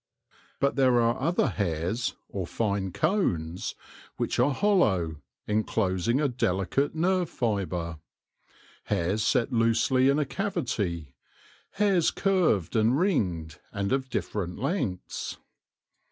But there are other hairs, or fine cones, which are hollow, enclosing a delicate nerve fibre ; hairs set loosely in a cavity • hairs curved and ringed, and of different lengths.